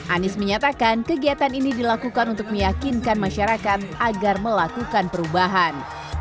anies menyatakan kegiatan ini dilakukan untuk meyakinkan masyarakat agar melakukan perubahan